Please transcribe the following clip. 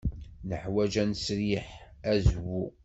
Neḥwaj ad nesriḥ azwu.